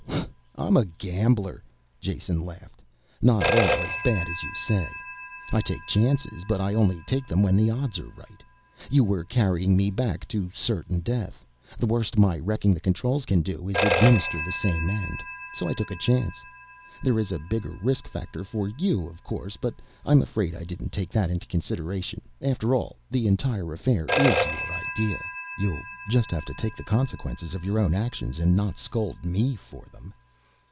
"I'm a gambler," Jason laughed. "Not at all as bad as you say. I take chances but I only take them when the odds are right. You were carrying me back to certain death. The worst my wrecking the controls can do is administer the same end. So I took a chance. There is a bigger risk factor for you of course, but I'm afraid I didn't take that into consideration. After all, this entire affair is your idea. You'll just have to take the consequences of your own actions and not scold me for them."